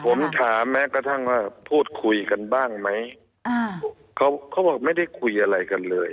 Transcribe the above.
ผมถามแม้กระทั่งว่าพูดคุยกันบ้างไหมอ่าเขาเขาบอกไม่ได้คุยอะไรกันเลย